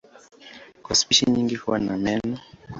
Kwa spishi nyingi huwa na meno.